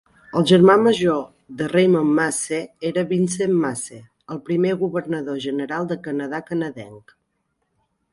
El germà major de Raymond Massey era Vincent Massey, el primer governador general de Canadà canadenc.